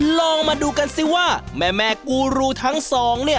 ลองมาดูกันสิว่าแม่กูรูทั้งสองเนี่ย